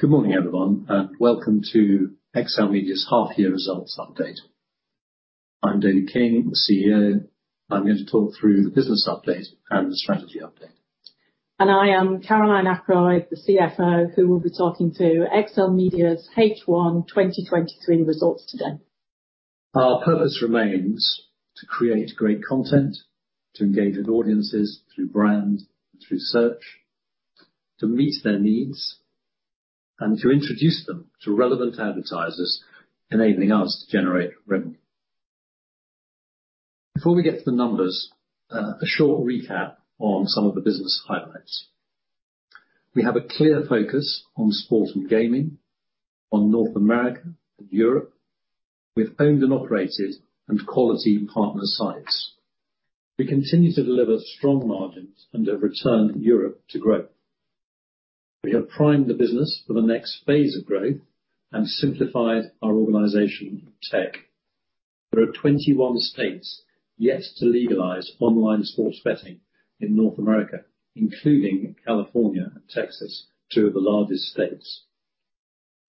Good morning, everyone, and welcome to XLMedia's half-year results update. I'm David King, the CEO. I'm going to talk through the business update and the strategy update. I am Caroline Ackroyd, the CFO, who will be talking through XLMedia's H1 2023 results today. Our purpose remains to create great content, to engage with audiences through brand and through search, to meet their needs, and to introduce them to relevant advertisers, enabling us to generate revenue. Before we get to the numbers, a short recap on some of the business highlights. We have a clear focus on sport and gaming, on North America and Europe, with owned and operated and quality partner sites. We continue to deliver strong margins and have returned Europe to growth. We have primed the business for the next phase of growth and simplified our organization tech. There are 21 states yet to legalize online sports betting in North America, including California and Texas, two of the largest states.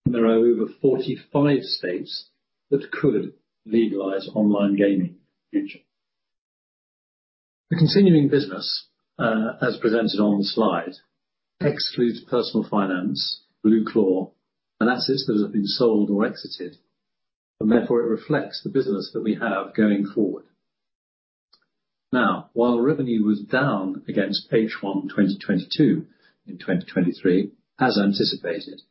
There are over 45 states that could legalize online gaming in the future. The continuing business, as presented on the slide, excludes personal finance, BlueClaw, and assets that have been sold or exited, and therefore, it reflects the business that we have going forward. Now, while revenue was down against H1 2022, in 2023, as anticipated,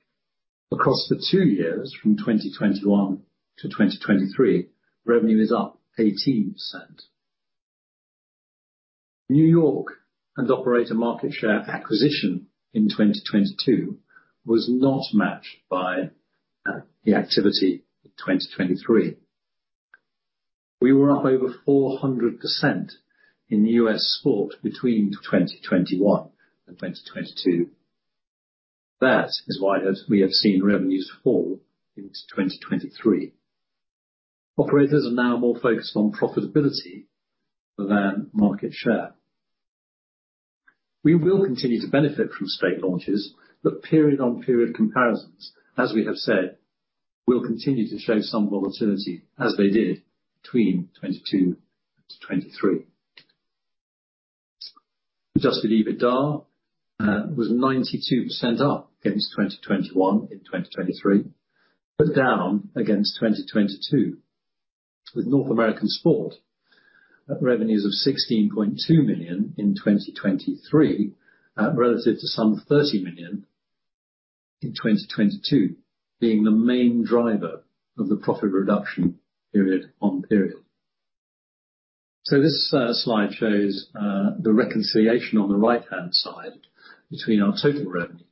across the two years, from 2021 to 2023, revenue is up 18%. New York and operator market share acquisition in 2022 was not matched by, the activity in 2023. We were up over 400% in U.S. sport between 2021 and 2022. That is why, as we have seen, revenues fall into 2023. Operators are now more focused on profitability than market share. We will continue to benefit from state launches, but period-on-period comparisons, as we have said, will continue to show some volatility as they did between 2022 to 2023. Adjusted EBITDA was 92% up against 2021 in 2023, but down against 2022, with North American sports betting revenues of $16.2 million in 2023 relative to some $30 million in 2022, being the main driver of the profit reduction period-on-period. So this slide shows the reconciliation on the right-hand side between our total revenues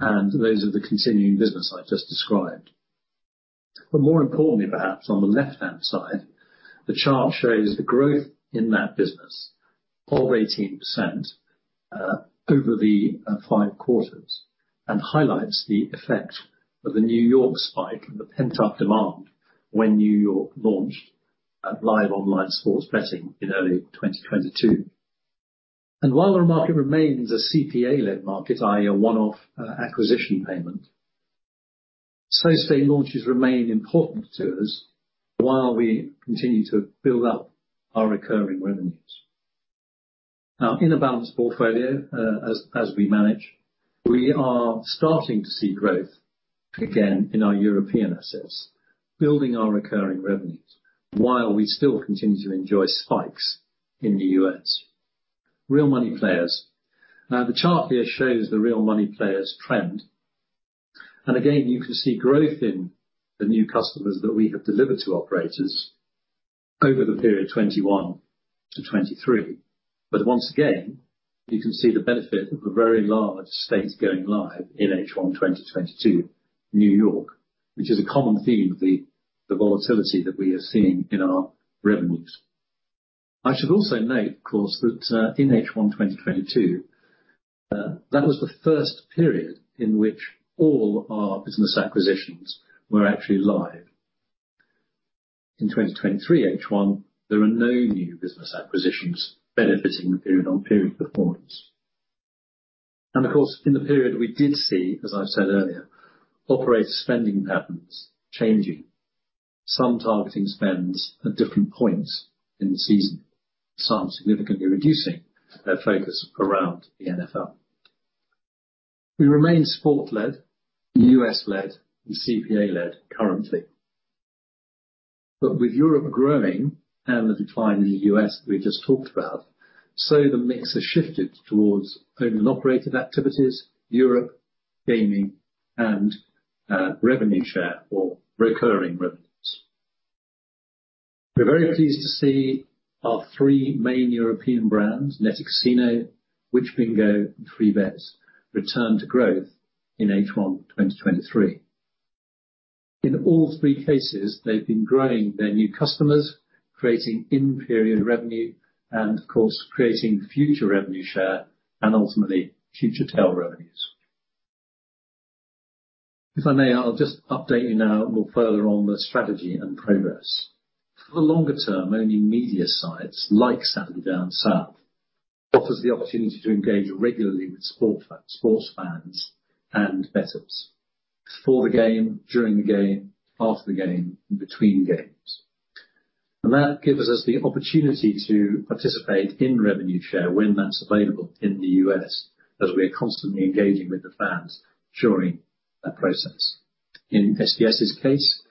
and those are the continuing business I just described. But more importantly, perhaps on the left-hand side, the chart shows the growth in that business of 18% over the five quarters, and highlights the effect of the New York spike and the pent-up demand when New York launched live online sports betting in early 2022. While the market remains a CPA-led market, i.e., a one-off acquisition payment, so state launches remain important to us while we continue to build up our recurring revenues. Now, in a balanced portfolio, as we manage, we are starting to see growth again in our European assets, building our recurring revenues, while we still continue to enjoy spikes in the U.S. Real Money Players. Now, the chart here shows the Real Money Players trend. Again, you can see growth in the new customers that we have delivered to operators over the period 2021 to 2023. Once again, you can see the benefit of a very large state going live in H1-2022, New York, which is a common theme of the volatility that we are seeing in our revenues. I should also note, of course, that, in H1 2022, that was the first period in which all our business acquisitions were actually live. In 2023, H1, there are no new business acquisitions benefiting the period-on-period performance. And of course, in the period we did see, as I've said earlier, operator spending patterns changing, some targeting spends at different points in the season, some significantly reducing their focus around the NFL. We remain sport-led, U.S.-led, and CPA-led currently, but with Europe growing and the decline in the U.S. that we just talked about, so the mix has shifted towards owned and operated activities, Europe, gaming, and, revenue share or recurring revenues. We're very pleased to see our three main European brands, Netti Casino, WhichBingo, and Freebets, return to growth in H1 2023. In all three cases, they've been growing their new customers, creating in-period revenue, and of course, creating future revenue share, and ultimately future tail revenues. If I may, I'll just update you now more further on the strategy and progress. For the longer term, only media sites like Saturday Down South offers the opportunity to engage regularly with sports fans and bettors, before the game, during the game, after the game, and between games. And that gives us the opportunity to participate in revenue share when that's available in the U.S., as we are constantly engaging with the fans during that process. In SDS's case,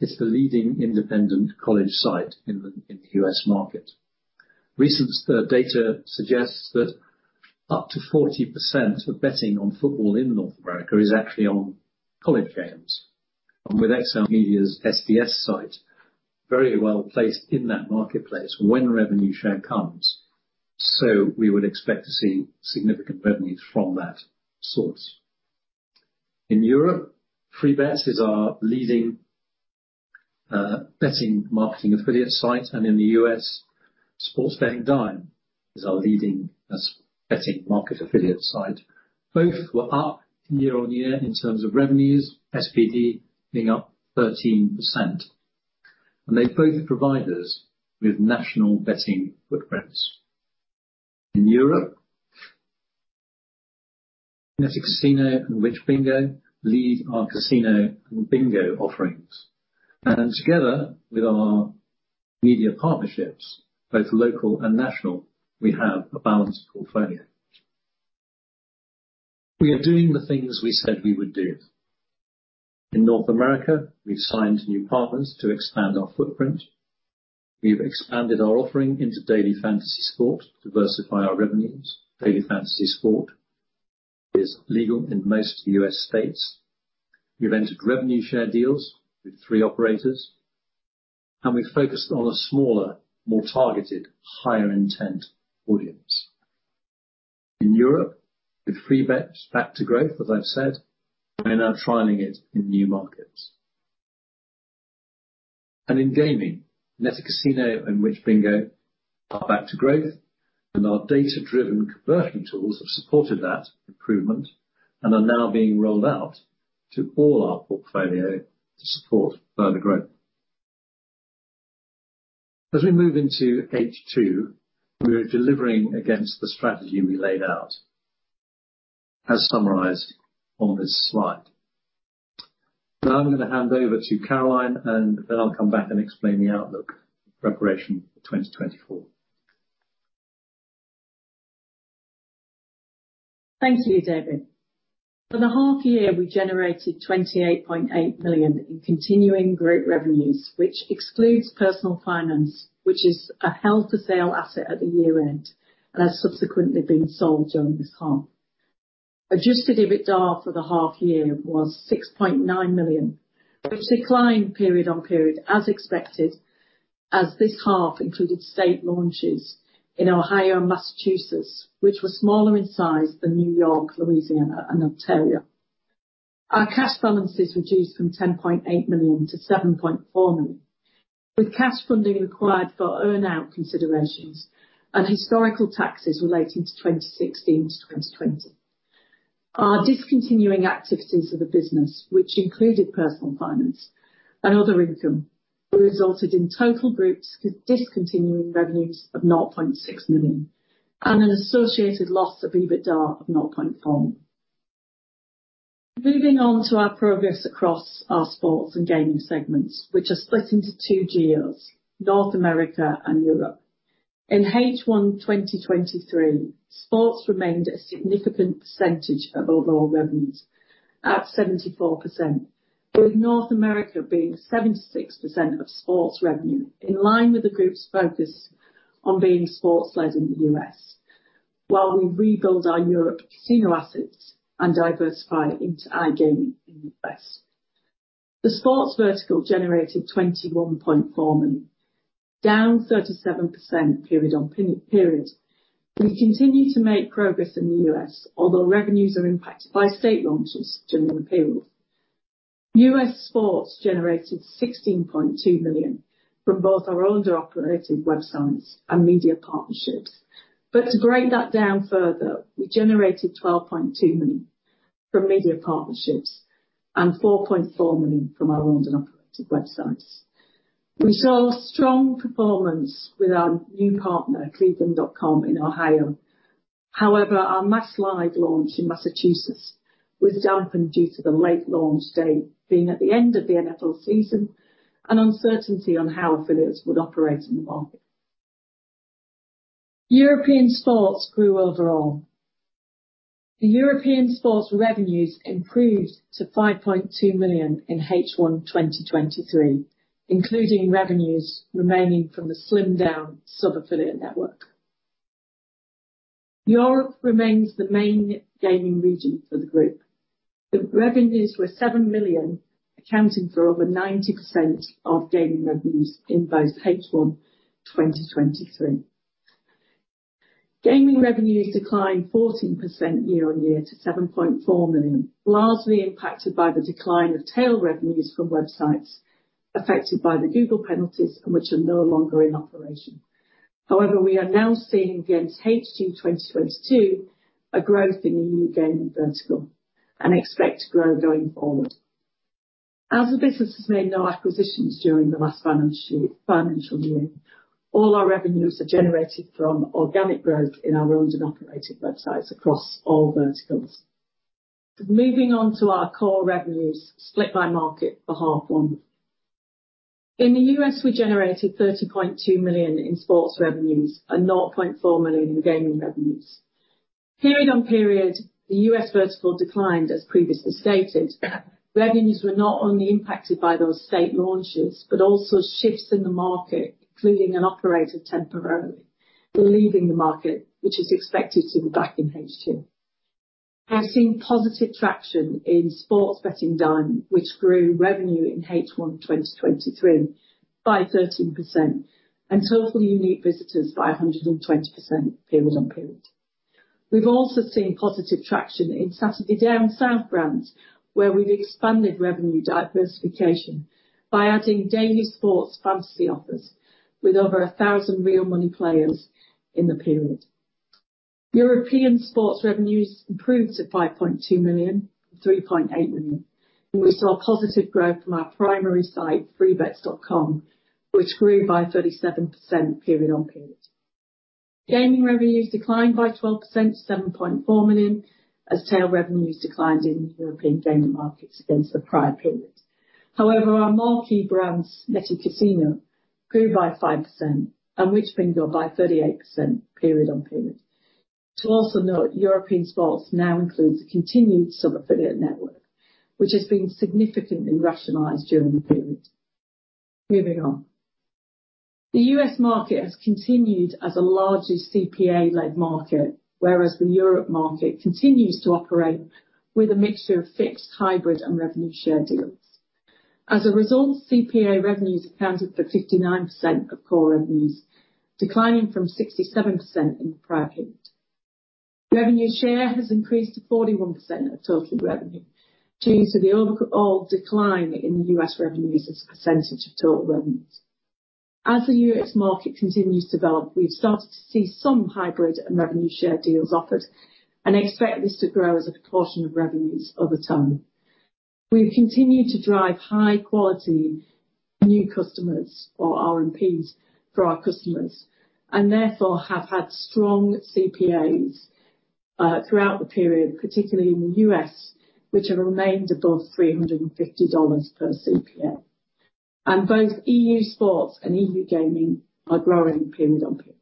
it's the leading independent college site in the U.S. market. Recent data suggests that up to 40% of betting on football in North America is actually on college games, and with XLMedia's SBD site, very well-placed in that marketplace when revenue share comes, so we would expect to see significant revenue from that source. In Europe, Freebets is our leading betting marketing affiliate site, and in the US, Sports Betting Dime is our leading betting market affiliate site. Both were up year-on-year in terms of revenues, SBD being up 13%, and they both provide us with national betting footprints. In Europe, Netti Casino and WhichBingo lead our casino and bingo offerings. Together with our media partnerships, both local and national, we have a balanced portfolio. We are doing the things we said we would do. In North America, we've signed new partners to expand our footprint. We've expanded our offering into Daily Fantasy Sports to diversify our revenues. Daily Fantasy Sports is legal in most U.S. states. We've entered revenue share deals with 3 operators, and we've focused on a smaller, more targeted, higher intent audience. In Europe, with Freebets back to growth, as I've said, we're now trialing it in new markets. And in gaming, Netti Casino and WhichBingo are back to growth, and our data-driven conversion tools have supported that improvement and are now being rolled out to all our portfolio to support further growth. As we move into H2, we are delivering against the strategy we laid out, as summarized on this slide. Now, I'm going to hand over to Caroline, and then I'll come back and explain the outlook preparation for 2024. Thank you, David. For the half year, we generated $28.8 million in continuing group revenues, which excludes personal finance, which is a held-for-sale asset at the year-end and has subsequently been sold during this half. Adjusted EBITDA for the half year was $6.9 million, which declined period on period, as expected, as this half included state launches in Ohio and Massachusetts, which were smaller in size than New York, Louisiana and Ontario. Our cash balances reduced from $10.8 million to $7.4 million, with cash funding required for earn-out considerations and historical taxes relating to 2016 to 2020. Our discontinuing activities of the business, which included personal finance and other income, resulted in total group discontinued revenues of $0.6 million and an associated loss of EBITDA of $0.4 million. Moving on to our progress across our sports and gaming segments, which are split into two geos, North America and Europe. In H1 2023, sports remained a significant percentage of overall revenues at 74%, with North America being 76% of sports revenue, in line with the group's focus on being sports-led in the US, while we rebuild our Europe casino assets and diversify into iGaming in the US. The sports vertical generated $21.4 million, down 37% period on period. We continue to make progress in the US, although revenues are impacted by state launches during the period. US sports generated $16.2 million from both our owned and operated websites and media partnerships. But to break that down further, we generated $12.2 million from media partnerships and $4.4 million from our owned and operated websites. We saw a strong performance with our new partner, cleveland.com in Ohio. However, our MassLive launch in Massachusetts was dampened due to the late launch date being at the end of the NFL season and uncertainty on how affiliates would operate in the market. European sports grew overall. The European sports revenues improved to $5.2 million in H1 2023, including revenues remaining from the slimmed-down sub-affiliate network. Europe remains the main gaming region for the group. The revenues were $7 million, accounting for over 90% of gaming revenues in both H1 2023. Gaming revenues declined 14% year-on-year to $7.4 million, largely impacted by the decline of tail revenues from websites affected by the Google penalties and which are no longer in operation. However, we are now seeing against H2 2022, a growth in the new gaming vertical and expect to grow going forward. As the business has made no acquisitions during the last financial year, all our revenues are generated from organic growth in our owned and operated websites across all verticals. Moving on to our core revenues, split by market for H1. In the U.S., we generated $30.2 million in sports revenues and $0.4 million in gaming revenues. Period-on-period, the U.S. vertical declined, as previously stated. Revenues were not only impacted by those state launches, but also shifts in the market, including an operator temporarily leaving the market, which is expected to be back in H2. We're seeing positive traction in Sports Betting Dime, which grew revenue in H1 2023 by 13% and total unique visitors by 120% period on period. We've also seen positive traction in Saturday Down South brands, where we've expanded revenue diversification by adding daily sports fantasy offers with over 1,000 real money players in the period. European sports revenues improved to $5.2 million, $3.8 million, and we saw positive growth from our primary site, Freebets.com, which grew by 37% period on period. Gaming revenues declined by 12% to $7.4 million, as tail revenues declined in the European gaming markets against the prior period. However, our marquee brands, Netti Casino, grew by 5% and WhichBingo by 38% period on period. To also note, European Sports now includes a continued sub-affiliate network, which has been significantly rationalized during the period. Moving on. The U.S. market has continued as a largely CPA-led market, whereas the Europe market continues to operate with a mixture of fixed, hybrid, and revenue share deals. As a result, CPA revenues accounted for 59% of core revenues, declining from 67% in the prior period. Revenue share has increased to 41% of total revenue, due to the overall decline in U.S. revenues as a percentage of total revenues. As the U.S. market continues to develop, we've started to see some hybrid and revenue share deals offered and expect this to grow as a proportion of revenues over time. We've continued to drive high-quality new customers, or RMPs, for our customers, and therefore have had strong CPAs throughout the period, particularly in the U.S., which have remained above $350 per CPA. Both EU Sports and EU Gaming are growing period-on-period.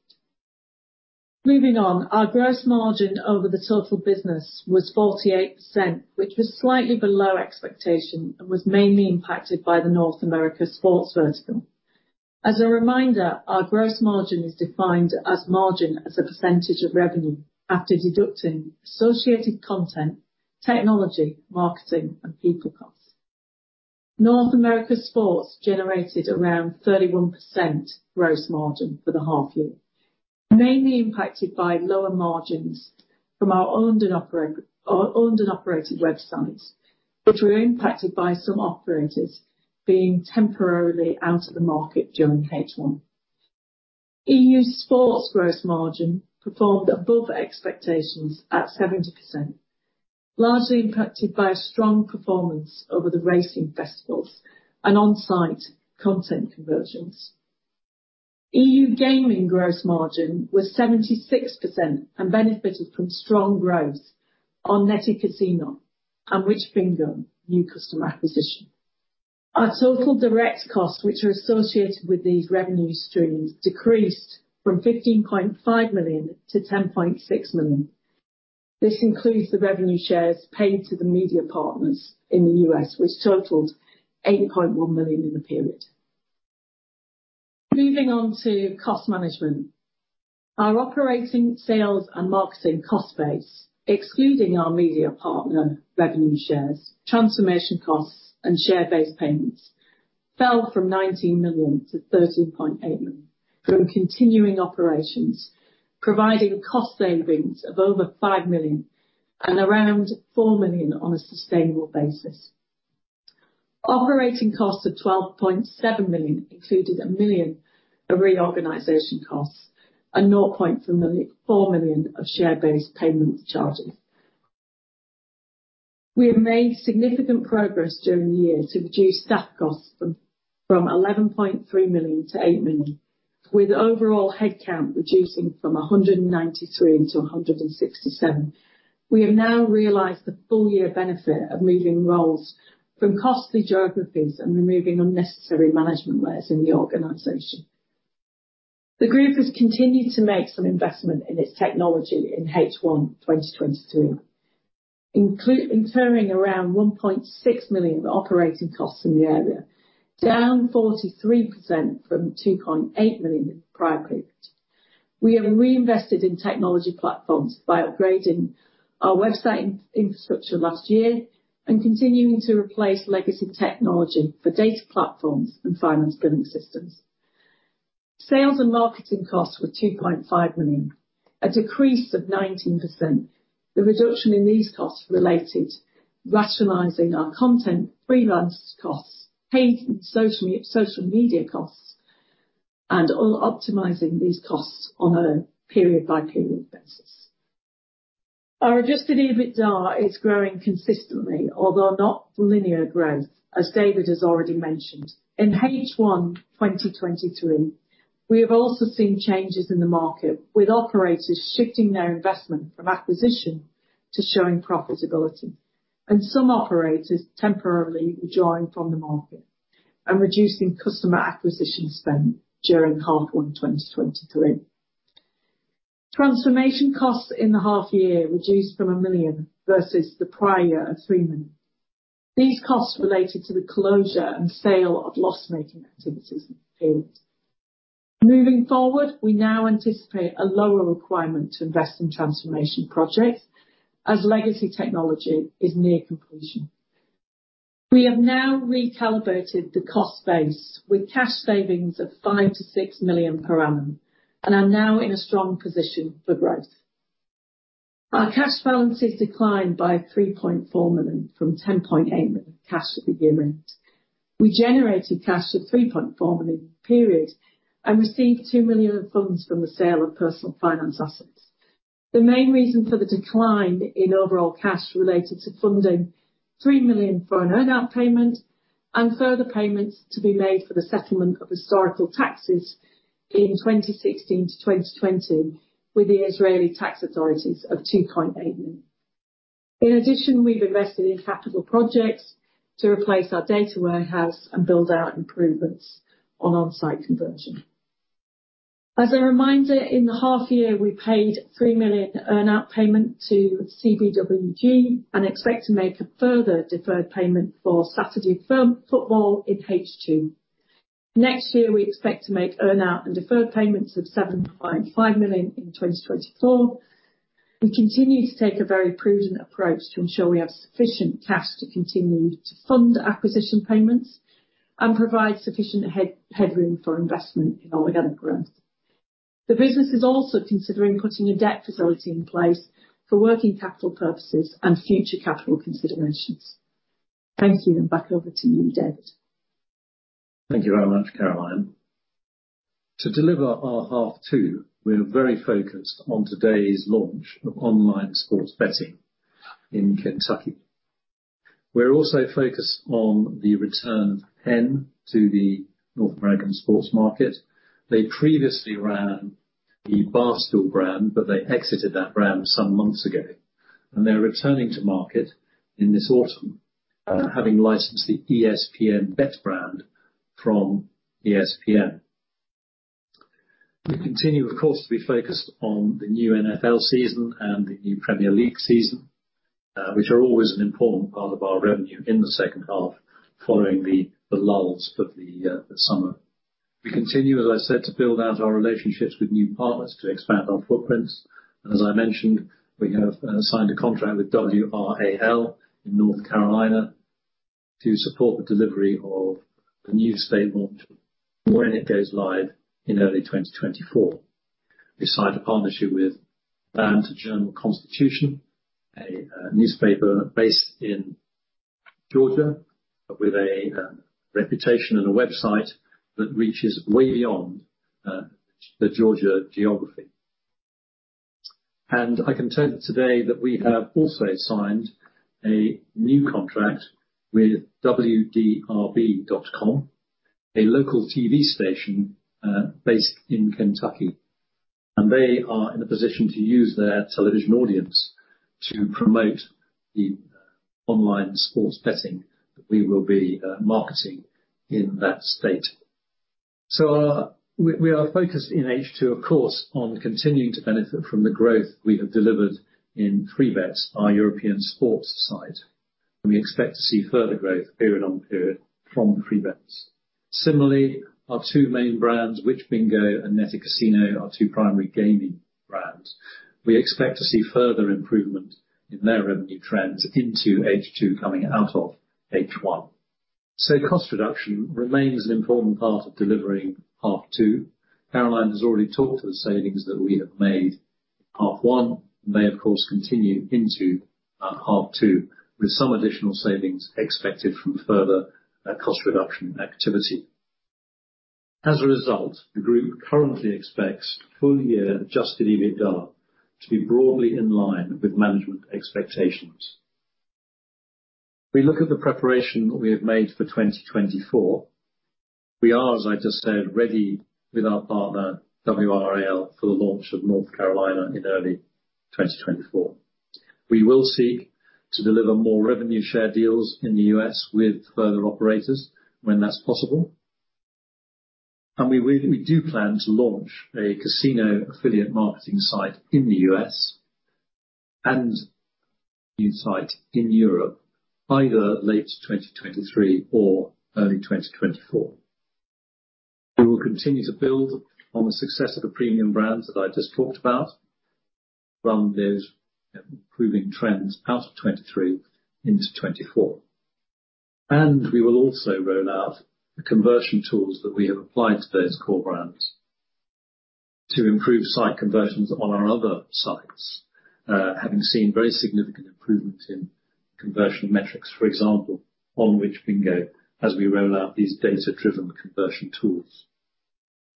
Moving on, our gross margin over the total business was 48%, which was slightly below expectation and was mainly impacted by the North America sports vertical. As a reminder, our gross margin is defined as margin as a percentage of revenue after deducting associated content, technology, marketing, and people costs. North America sports generated around 31% gross margin for the half year, mainly impacted by lower margins from our owned and operated websites, which were impacted by some operators being temporarily out of the market during H1. E.U. sports gross margin performed above expectations at 70%, largely impacted by a strong performance over the racing festivals and on-site content conversions. E.U. gaming gross margin was 76% and benefited from strong growth on Netti Casino and WhichBingo new customer acquisition. Our total direct costs, which are associated with these revenue streams, decreased from $15.5 million to $10.6 million. This includes the revenue shares paid to the media partners in the U.S., which totaled $8.1 million in the period. Moving on to cost management. Our operating sales and marketing cost base, excluding our media partner revenue shares, transformation costs, and share-based payments, fell from $19 million to $13.8 million from continuing operations, providing cost savings of over $5 million and around $4 million on a sustainable basis. Operating costs of $12.7 million included $1 million of reorganization costs and $0.4 million of share-based payment charges. We have made significant progress during the year to reduce staff costs from $11.3 million to $8 million, with overall headcount reducing from 193 to 167. We have now realized the full year benefit of moving roles from costly geographies and removing unnecessary management layers in the organization. The group has continued to make some investment in its technology in H1 2023, incurring around $1.6 million of operating costs in the area, down 43% from $2.8 million in the prior period. We have reinvested in technology platforms by upgrading our website infrastructure last year and continuing to replace legacy technology for data platforms and finance billing systems. Sales and marketing costs were $2.5 million, a decrease of 19%. The reduction in these costs related to rationalizing our content, freelance costs, paid social media costs, and optimizing these costs on a period-by-period basis. Our adjusted EBITDA is growing consistently, although not linear growth, as David has already mentioned. In H1 2023, we have also seen changes in the market, with operators shifting their investment from acquisition to showing profitability, and some operators temporarily withdrawing from the market and reducing customer acquisition spend during half one, 2023. Transformation costs in the half year reduced from $1 million versus the prior year of $3 million. These costs related to the closure and sale of loss-making activities in the period. Moving forward, we now anticipate a lower requirement to invest in transformation projects as legacy technology is near completion. We have now recalibrated the cost base with cash savings of $5-$6 million per annum, and are now in a strong position for growth. Our cash balances declined by $3.4 million, from $10.8 million cash at the beginning. We generated cash of $3.4 million period and received $2 million of funds from the sale of personal finance assets. The main reason for the decline in overall cash related to funding $3 million for an earn-out payment, and further payments to be made for the settlement of historical taxes in 2016-2020, with the Israeli tax authorities of $2.8 million. In addition, we've invested in capital projects to replace our data warehouse and build out improvements on on-site conversion. As a reminder, in the half year, we paid $3 million earn-out payment to CBWG and expect to make a further deferred payment for Saturday Football in H2. Next year, we expect to make earn-out and deferred payments of $7.5 million in 2024. We continue to take a very prudent approach to ensure we have sufficient cash to continue to fund acquisition payments and provide sufficient headroom for investment in organic growth. The business is also considering putting a debt facility in place for working capital purposes and future capital considerations. Thank you, and back over to you, David. Thank you very much, Caroline. To deliver our half two, we are very focused on today's launch of online sports betting in Kentucky. We're also focused on the return of Penn to the North American sports market. They previously ran the Barstool brand, but they exited that brand some months ago, and they are returning to market in this autumn, having licensed the ESPN Bet brand from ESPN. We continue, of course, to be focused on the new NFL season and the new Premier League season, which are always an important part of our revenue in the second half, following the lulls of the summer. We continue, as I said, to build out our relationships with new partners to expand our footprints. As I mentioned, we have signed a contract with WRAL in North Carolina to support the delivery of the new state launch when it goes live in early 2024. We signed a partnership with the Atlanta Journal-Constitution, a newspaper based in Georgia, with a reputation and a website that reaches way beyond the Georgia geography. I can tell you today that we have also signed a new contract with WDRB.com, a local TV station based in Kentucky, and they are in a position to use their television audience to promote the online sports betting that we will be marketing in that state. We are focused in H2, of course, on continuing to benefit from the growth we have delivered in Freebets, our European sports site, and we expect to see further growth period on period from Freebets. Similarly, our two main brands, WhichBingo and Netti Casino, our two primary gaming brands, we expect to see further improvement in their revenue trends into H2, coming out of H1. So cost reduction remains an important part of delivering half two. Caroline has already talked to the savings that we have made. Half one may, of course, continue into half two, with some additional savings expected from further cost reduction activity. As a result, the group currently expects full-year Adjusted EBITDA to be broadly in line with management expectations. We look at the preparation that we have made for 2024. We are, as I just said, ready with our partner, WRAL, for the launch of North Carolina in early 2024. We will seek to deliver more revenue share deals in the US with further operators when that's possible. We, we do plan to launch a casino affiliate marketing site in the U.S. and inside, in Europe, either late 2023 or early 2024. We will continue to build on the success of the premium brands that I just talked about, run those improving trends out of 2023 into 2024. We will also roll out the conversion tools that we have applied to those core brands to improve site conversions on our other sites, having seen very significant improvement in conversion metrics, for example, on WhichBingo, as we roll out these data-driven conversion tools.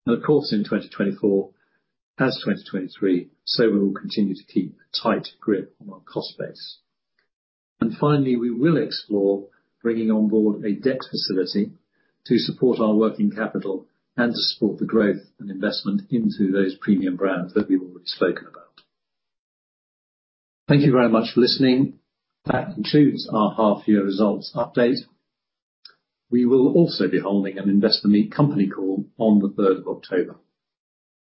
Of course, in 2024, as 2023, so we will continue to keep a tight grip on our cost base. Finally, we will explore bringing on board a debt facility to support our working capital and to support the growth and investment into those premium brands that we've already spoken about. Thank you very much for listening. That concludes our half year results update. We will also be holding an Investor Meet Company call on the third of October.